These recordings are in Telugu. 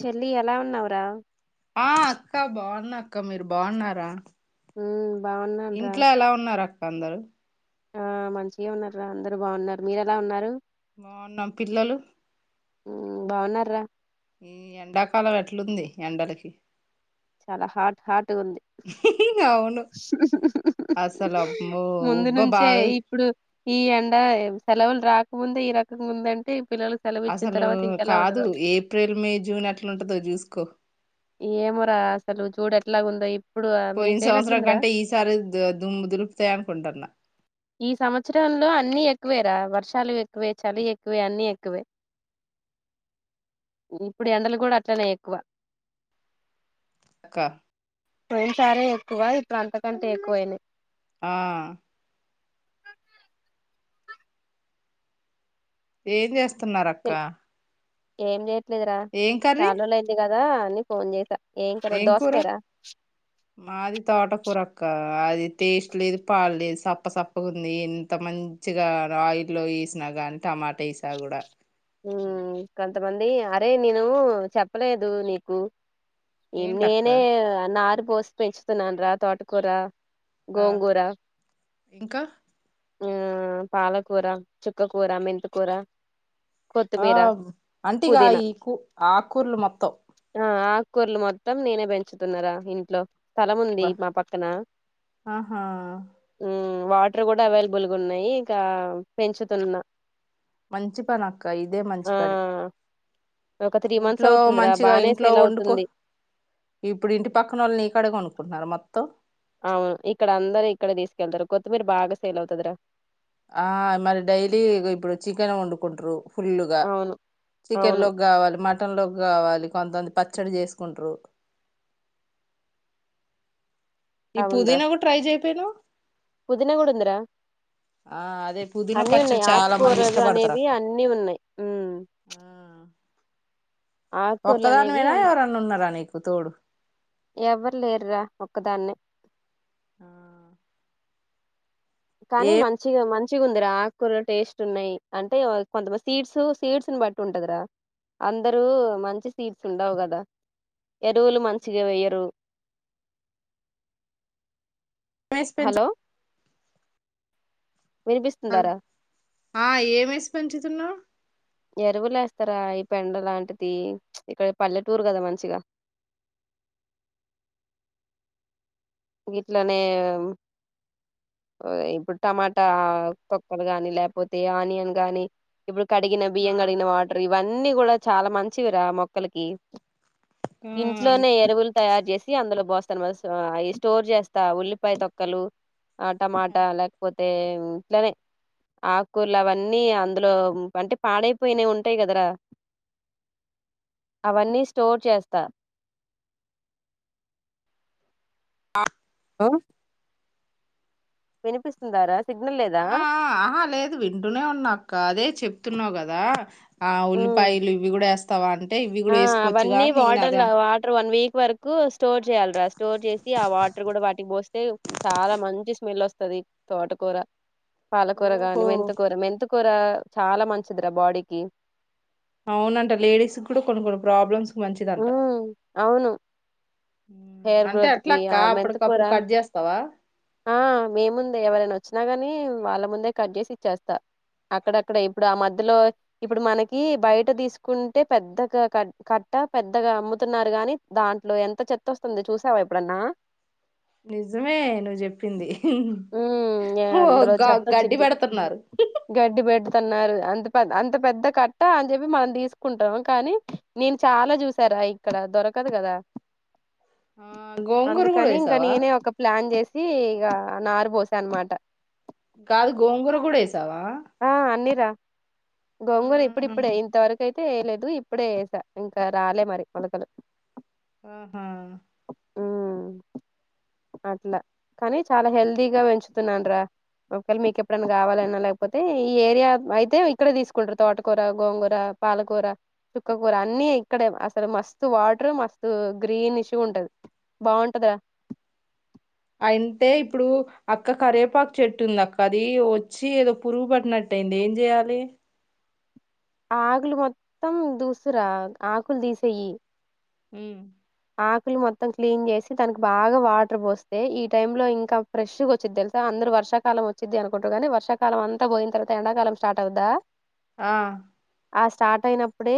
చెల్లి ఎలా ఉన్నావురా ఆ అక్క బోన్నా అక్క మీరు బోన్నారా హుం ఇంట్లో ఎలా ఉన్నారు అక్క అందరు ఆ మంచిగేవున్నర్ర అందరు బాగున్నారు మీరు ఎలా ఉన్నారు బాగున్నాం పిల్లలు ఊ బాగున్నారా ఈ ఎండాకాలం ఎట్లుంది ఎండలకి చాలా హాట్ హాట్ గుంది అవును అసలు అమ్మో ముందు ఉబ్బ నుంచే బాగా ఇప్పుడు ఈ ఎండ సెలవులు రాకముందే ఈ రకంగా ఉందంటే పిల్లలకు సెలవు ఇచ్చిన అసలు తర్వాత ఇంకెలా కాదు ఉంటదో ఏప్రిల్ మే జూన్ ఎట్ల ఉంటదో జూసుకో ఏమోరా అసలు చూడు ఎట్లాగుందో పోయిన సంవత్సరం కంటే ఈసారి ద దుమ్ దులుపుతాయి అనుకుంటన్నా ఈ సంవత్సరంలో అన్ని ఎక్కువేరా వర్షాలు ఎక్కువే చలి ఎక్కువే అన్ని ఎక్కువే ఇప్పుడు ఎండలు కూడా అట్టనే ఎక్కువ అక్క పోయిన సారే ఎక్కువ ఇప్పుడు అంతకంటే ఎక్కువయినాయ్ ఆ ఏం చేస్ స్తున్నారక్క ఏం చేయ్ లేదురా చాన్ రోజులయిందిగద్ కదా అని ఫోన్ చేసా కర్రీ ఏం కూర దోసకాయరా మాది తోట కూర ఆ అది టేస్ట్ లేదు పాడ్లేదు సప్ప సప్పగా ఉంది ఎంత మంచిగా ఆయిల్లో వేసినా కాగానీ టమాటా వేసా కూడా ఆ కొంత మంది అరే నేను చెప్పలేదు నీకు ఈ ఏంటక్క నేనే నాదే కోసి పెంచుతున్నానురా తోటకూర ఆ గోంగూర ఇంకా ఆ పాలకూర చుక్కకూర మెంత్ కూర వావ్ అంటిగా ఈ కూ ఆకూరలు మొత్తం ఆకూర్లు మొత్తం నేనే పెంచుతున్నారా ఇంట్లో స్థలం బ ఉంది మా పక్కన ఆహా ఊ వాటర్ కూడా అవైలబుల్గున్నాయి ఇకా పెంచుతున్న మంచి పనక్ అక్క ఇదే మంచి పని ఒక త్రీ మంత్స్ ఇంట్లో అవుతుందిరా మంచిగా బానే ఇంట్లో సేల్ వండుకో అవుతుంది ఇప్పుడు ఇంటి పక్కన వాళ్ళు నీ కాడే కొనుకుంటన్నారు మొత్ త్తో అవును ఇక్కడ అందరు ఇక్కడ తీసుకెళ్తారు కొత్తిమీర బాగా సేల్ అవుతదిరా ఆ మరి డైలీ ఇగో ఇప్పుడు చికెన్ వండుకుంట్రు. ఫుల్లుగా అవును చికెన్ అవును లోకి గావాలి మ టన్ లోకి గావాలి కొంతఅంది పచ్చడి చేసుకుట్రు ఈ పుదీనావు ట్రై చేయ్ పెనూ పుదినా గూడ్ ఉందిరా ఆ అదే పుదీనా అన్నీ ఉన్నాయ్ పచ్చడి చాలా మంది ఆక్కూరలు ఇష్టపడతారు అనేవి అక్క అన్నీ ఉన్నాయ్ హ్మ్ ఒక్కదానివేనా ఎవరన్నా ఉన్నారా నీక్ కు తోడు ఎవ్వరు లేర్రా ఒక్కదాన్నే ఆహ్ కానీ మంచిగా మన్ చిగ్ ఉందిరా ఆక్కూర్లు టేస్ట్ ఉన్నాయ్ అంటే వాళ్ కొంత మంద్ సీడ్స్ సీడ్స్ ని బట్టి ఉంటందిరా అందరూ మంచి సీడ్స్ ఉండవు గదా ఎరువులు మంచిగ వేయరు. వాయిస్ పెంచ్ హలో వినిపిస్తుందార ఆహ్ ఏంమేస్ పెంచుతున్నావ్ ఎరువుల్ ఎస్తరా ఈ పెండ లాంటితి ఇక్కడ్ పల్లెటూరు గదా మంచిగ వీట్లోనే ఆహ్ ఇప్పుడ్ టమాటా తొక్కలు గాని లేపోతే ఆనియన్ గానీ ఇప్పుడు కడిగిన బియ్యం కడ్గిన వాటర్ ఇవన్ అన్నీ గుడా చాలా మంచివిరా మొక్కలకి ఇంట్లోనే ఎరువుల్ తయార్ జేసి అందులో బోస్ తన్ మస్ ఆహ్ ఆయిస్ స్టోర్ జేస్తా ఉల్లిపాయ్ తొక్కలు ఆహ్ టమాటా లేక్పోతే ఇట్లనే ఆక్కూర్లు అవన్నీ అందులో అంటే పాడైపోయినవ్ ఉంటాయ్ కదరా అవన్నీ స్టోర్ చేస్తా. ఆహ్ హోఓఓఓ వినిపిస్తుందరాజ్ ఆహ్హ్ ఆహా లేదు వింటూనే ఉన్నాక్క అదే చెప్పు తున్నావ్ గదా ఆ ఉల్లిపాయలు ఇవి గుడా వేస్తావా అ ఆహ్ అవన్నీ వాటర్లో ఆవాటర్ వన్ వీక్ వరకు స్టోర్ జేయల్రా స్టోర్ జేసి ఆ వాటర్ గుడ వాటికి బోస్తే చాలా మంచి స్మెల్ వస్తది తోటకూర పాలకూర గాని ఓహో మెంతికూర మెంతు కూర చాలా మంచిదిరా బాడీకి. అవునంట లేడీస్ కూడా కొన్ని కొన్ని ప్రాబ్లమ్స్. మంచిదంట ఉమ్ అవును ఉమ్, హెయిర్ అంటే గ్రోత్ కి అట్లక్క ఆ మెంతికూర అప్పటికప్పుడు కట్ చేస్తావా ఆహ్హ్ మీముందే ఎవరైనా వచ్చినా గాని ని వాళ్ళ ముందే కట్ చేసి ఇచ్చేస్తా. అక్కడక్కడ ఇప్పుడు ఆ మధ్యలో ఇప్పుడు మనకి బయట తీసుకుంటే పెద్దగా క క కట్ట పెద్దగా అమ్ముతున్నారు గాని, దాంట్లో ఎంత చెత్త వస్తుంది చూసావా ఎప్పుడన్నా. నిజమే నువ్వు చెప్పింది హ్మ్. యాహ్! ఓ అందులో గో గడ్డి పెడుతన్నారు. తన్నారు అంత పె అంత పెద్ద కట్ట అని చెప్పి మనం తీసుకుంటాం కానీ నేన్ చాలా చూసారా ఇక్కడ దొరకదు కదా ఆ గోంగూర కూడా అందుకని ఇంకా వేసావా నేనే ఒక ప్లాన్ చేసి ఇగా నారు పోసా అనమాట కాదు గోంగూర కూడా వేసావా? అన్నీ రా గోంగూర ఆహా ఇప్పుడిప్పుడే ఇంత వరకై తే వేయలేదు ఇప్పుడే యేశా ఇంకా రాలే మరి మొలకలు ఆహా అట్లా కానీ చాలా హెల్తీగా పెంచుతున్నానురా ఒకవేళ మీకు ఎప్పుడైనా కావాలన్నా లేక్ పోతే ఈ ఏరియా అయితే ఇక్కడే తీసుకుంటారు. తోటకూర, గోంగూర, పాలకూర, చుక్కకూర అన్ని ఇక్కడే అసలు మస్తు వాటర్ మస్తు గ్రీనిష్ గుంటది బాగుంటంది రా అంటే ఇప్పుడు అక్క కరేపాకు చెట్టు ఉంది అక్క, అది వచ్చి ఏదో పురుగు పట్టినట్టు అయింది ఏం చెయాలి? ఆకులు మొత్తం దూసురా, ఆకులు తీసేయి. హ్మ్ ఆకులు మొత్తం క్లీన్ చేసి దానికి బాగా వాటర్ పోస్తే ఈ టైమ్ లో ఇంకా ఫ్రెష్ గొచ్చిద్ది తెలుసా అందరు వర్షాకాలం వచ్చిది అనుకుంటరు గానీ వర్షాకాలం అంతా పోయిన తర్వాత ఎండాకాలం స్టార్ట్ అవుద్దా? ఆ ఆ స్టార్ట్ అయినప్పుడే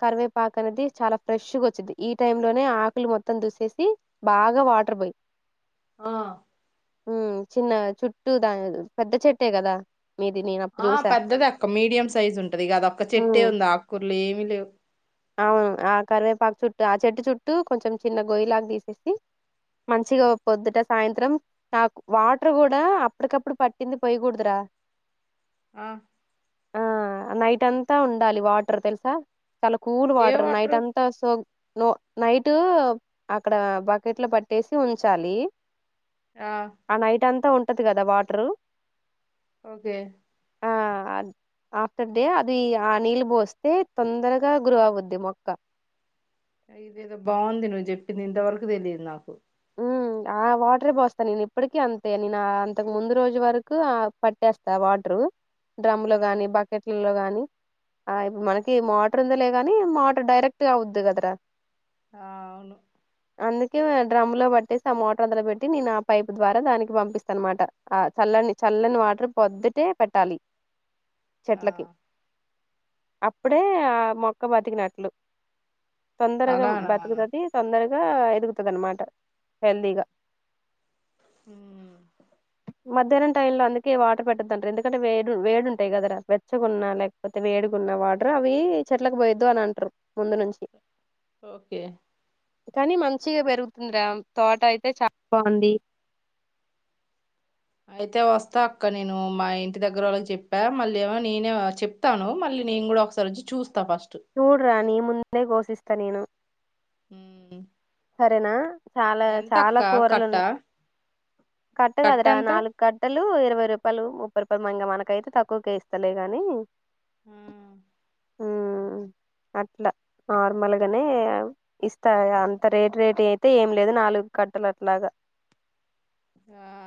కరివేపాకు అనేది చాలా ఫ్రెష్ గొచ్చిద్ది ఈ టైం లోనే ఆకులు మొత్తం దూసేసి, బాగా వాటర్ పోయి ఆ హ్మ్ చిన్న చుట్టూ దాన్ పెద్ద చెట్టే కదా మీది నేను అప్పుడు ఆ చూసా పెద్దది అక్క మీడియం సైజ్ ఉంటది, గదొక్క చెట్టే ఉమ్ ఉంది ఆక్కూర్ లేమి లేవ్ అవును ఆ కరివేపాకు చుట్టూ ఆ చెట్టు చుట్టూ కొంచెం చిన్న గొయ్యి లాగ తీసేసి, మంచిగా పొద్దుట సాయంత్రం తాకు వాటర్ కూడా అప్పటికప్పుడు పట్టింది పొయ్యకూడుదురా ఆ ఆ నైట్ అంతా ఉండాలి వాటర్ తెలుసా చాలా కూల్ ఏ వాటర్ నైట్ వాటరు అంతా సో నో నైట్ అక్కడ బక్కెట్లో పట్టేసి ఉంచాలి. ఆ నైట్ అంతా ఉం టది కదా వాటరు ఓకే ఆ ఆఫ్టర్ డే అది ఆ నీళ్ళు పోస్తే తొందర్ గా గ్రో అవుద్ది మొక్క. ఇదేదో బాగుంది నువ్వు చెప్పింది ఇంతవరకు తెలియదు నాకు ఆ వాటరే పోస్తాను నేను ఇప్పటికి అంతే నేను అంతకు ముందు రోజు వరకు పట్టేస్తా వాటరు డ్రమ్ లో ఆ గానీ, బకెట్లలో గానీ ఆ ఇప్పుడు మనకి మోటర్ ఉంది లే గానీ మోటర్ డైరెక్ట్గా అవుద్ది కదరా ఆ అవును అందుకే డ్రమ్ లో పట్టేసి ఆ మోటార్ అంతలో పెట్టి నేను ఆ పైప్ ద్వారా దానికి పంపిస్తానమాట ఆ చల్లని చల్లని వాటర్ పొద్దుటే పెట్టాలి ఆ చెట్లకి అప్పుడే ఆ మొక్క బతికినట్లు తొందరగా అలానా బ్రతుకుతది తొందరగా ఎదుగుతుంద అమాట హెల్దిగా హ్మ్మ్ మధ్యాహ్నం టైం లో అందుకే వాటర్ పెట్టద్దు అంటారు ఎందుకంటే వేడు వేడుంటాయి కదర వెచ్చకున్న లేకపోతే వేడుకున్న వాటర్ అవి చెట్లకు పోయద్దు అని అంటారు ముందు నుంచి ఓకే కానీ మంచిగా పెరుగుతుంది ంద్రాం తోట అయితే చాలా బాగుంది అయితే వస్తా అక్క నేను మా ఇంటి దగ్గర వాళ్ళకి చెప్పా మళ్ళీ ఏమో నేనే చెప్తాను మళ్ళీ నేను కూడా ఒకసారి వచ్చి చూస్త చూడ రా నీ ము నేనే కోశిస్తా నేనే హుమ్ సరేనా చాలా చాలా కూరలు కట్ట ఉన్నాయి కట్ట కదరా నాలుగు కట్టలు ఇరవై రూపాయలు ముప్పై రూపాయలు మంగా మనకయితే తక్కువక ఇస్తలే కాని హ ఉమ్ అట్లా నార్మల్గానే ఇస్తా అంత రేటు రేటు అయితే ఏం లేదు నాలుగు కట్టలు అట్లాగా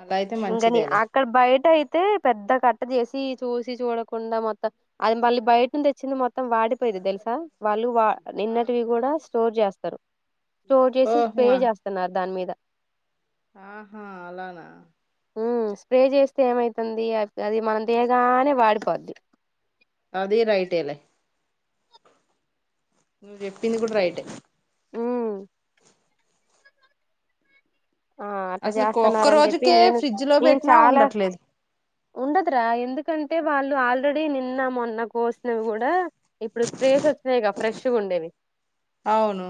అలా అయితే ఇంకాని మంచిదేలే అక్కడ బయట అయితే పెద్ద కట్ట చేసి చూసి చూడకుండా మొత్తం అది మళ్ళీ బయట వచ్చింది మొత్తం వాడి ఇది తెలుసా వాళ్ళు ఆ! నిన్నటివి కూడా స్టోర్ చేస్తారు స్టోర్ చేసి ఓహో స్ప్రే చేస్తున్నారు దాని మీద ఆహా అలానా ఉమ్ స్ప్రే చేస్తే ఏమైతుంది అ అది మనం తేగానే వాడిపోద్దు అది రైటేలే నువ్ చెప్పింది కూడా రైట్ ఉమ్ ఆ అట్లా అసలు ఒక్క చేస్తున్నారని చెప్పి రోజుకే నేను ఫ్రిడ్జ్ లో నేను పెట్టినా చాలా ఉండట్లేదు ఉండదురా ఎందుకంటే వాళ్ళు ఆల్రెడీ నిన్న మొన్న కోసినవి కూడా ఇప్పుడు స్ప్రేస్ వచ్చినాయి క ఫ్రెష్గా ఉండేవి అవును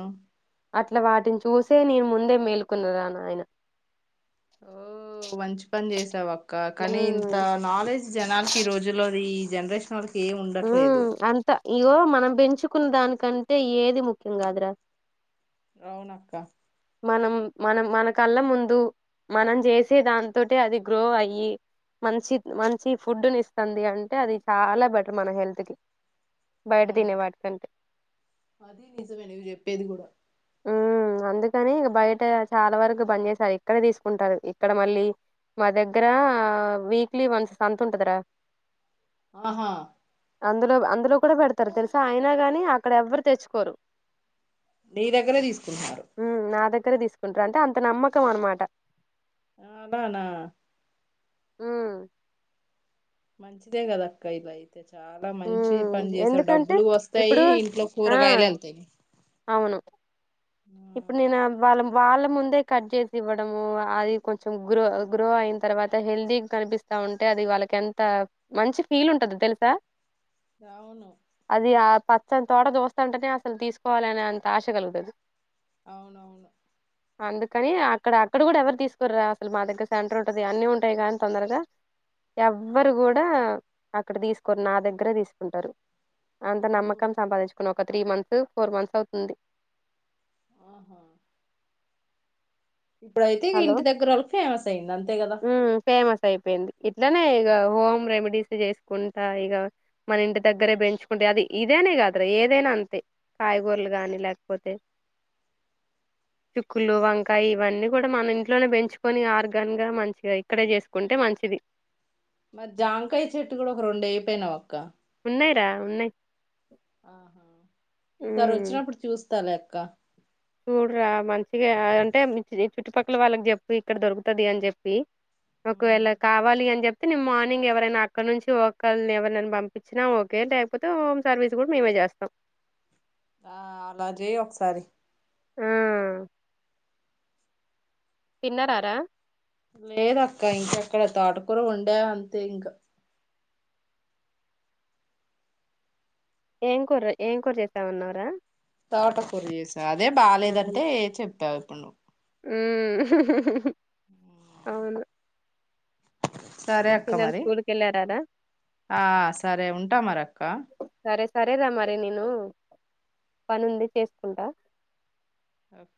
అట్లా వాటిని చూసే నేను ముందే మేల్కున్న రాను అయినా ఓ మంచి పని చేసావ అక్క కానీ ఇంత ఉమ్ నాలెడ్జ్ జనాలకి ఈ రోజులోది జనరేషన్ వాళ్కి ఏం ఉండట్లేదు ఉమ్ అంత ఇగో మనం పెంచుకున్న దానికంటే ఏది ముఖ్యం కాదురా అవునక్క మనం మనం మనకల్లా ముందు మనం చేసే దాంతోట అది గ్రో అయ్యి మంచి మంచి ఫుడ్ని ఇస్తుంది అంటే అది చాలా బెటర్ మన హెల్త్ కి బయట ఉ తినే వాటికంటే అది నిజమే నువ్వు చెప్పేది కూడా ఉ అందు కానీ ఇక బయట చాలా వరకు బంద్ చేసిన ఏక్కడ తీసుకుంటారు ఇక్కడ మళ్ళీ మా దగ్గర వీక్లీ వంత్ సంత ఉంటదిరా ఆహా అందులో అందులో కూడా పెడతారు తెలుసా అయినా గాని అక్కడ ఎవ్వరు తెచ్చుకోరు నీ దగ్గరే తీసుకుంటున్నారు ఉ నా దగ్గరే తీసుకుంటారు అంటే అంత నమ్మకం అన్నమాట ఆ అలానా ఉ మంచిదే కదా అక్క ఇలాయితే అయితే చాలా మంచి ఉమ్ పని చేసారు ఎందుకంటే డబ్బులు వస్తాయి ఇప్పుడు ఇంట్లో ఆ కూరగాయలు వెళ్తాయి అవును ఇప్పుడు నేను వాళ్ళ వాళ్ళ ముందే కట్ చేసి ఇవ్వడము అది కొంచెం గ్రో గ్రో అయిన తర్వాత హెల్దీ కనిపిస్తా ఉంటే అది వాళ్ళకి ఎంత మంచి ఫీల్ ఉంటదో తెలుసా ఆ, అవును అది ఆ ప పచ్చని తోట చుస్తంటేనే అసలు తీసుకోవాలనే అంత ఆశగలుగుతది అవునవును అందుకని అక్కడ అక్కడ కూడా ఎవరు తీసుకోరరా అసలు మా దగ్గర సెంటర్ ఉంటుంది అన్నీ ఉంటాయి కానీ తొందరగా ఎవరు కూడా అక్కడ తీసుకోరు నా దగ్గరే తీసుకుంటారు అంత నమ్మకం సంపాదించుకున్న ఒక త్రీ మంత్స్ ఫోర్ మంత్స్ అవుతుంది ఆహా ఇప్పుడయితే హలో ఇంటి దగ్గర వాళ్ళకి ఫేమస్ అయింది అంతే కదా ఉమ్ ఫేమస్ అయిపోయింది ఇట్లనే ఇక హోమ్ రెమెడీస్ చేసుకుంటా ఇక మన ఇంటి దగ్గరే పెంచుకుంటే అది ఇదేనే కాదురా ఏదైనా అంతే కాయగూరలు గాని లేకపోతే చుక్కులు వంకాయ ఇవన్నీ కూడా మన ఇంట్నే పెంచుకొని ఆర్గాన్ గా మంచిగా ఇక్కడే చేసుకుంటే మంచిది మరి జాంకాయ చెట్టు కూడా ఒక రెండు వేయకవపోయేనవ అక్క ఉన్నాయి రా ఉన్నాయి ఆహా ఈసారి ఉమ్ వచ్చినప్పుడు చూస్తా లే క్క చూడరా మంచిగా అంటే చుట్టుపక్కల వాళ్ళకి చెప్పు ఇక్కడ దొరుకుతది అని చెప్పి ఉమ్, ఒకవేళ కావాలి అని చెప్పి అయితే నేను మార్నింగ్ ఎవరైనా అక్కడి నుంచి ఒకక్కరిని ఎవరిని పంపించినా ఓకే లేకపోతే హోమ్ సర్వీస్ కూడా మేమే చేస్తాం ఆ అలా చేయి ఒకసారి ఆ తిన్నారా రా లేదు అక్క ఇంక అక్కడ తోటకూర వండ అంతే ఇంకా ఏం కూర ఏం కూర చేశావ్ అన్నావ్ రా తోట కూర చేసి అదే బాలేదంటే చెప్తారు [unintelligible] ఉ అవును సరే అక్క పిల్లలు మరి స్కూల్ కి వెళ్ళారారా ఆ సరే ఉంటా మరి అక్క సరే సరేరా మరి నేను, పని ఉంది చేసుకుంటా ఓకే